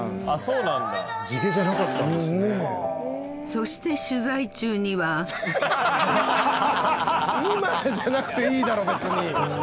そして取材中には今じゃなくていいだろ別に。